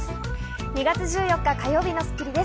２月１４日、火曜日の『スッキリ』です。